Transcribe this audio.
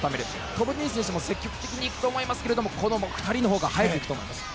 トム・ディーン選手も積極的に行くと思いますけどこの２人のほうが速くいくと思います。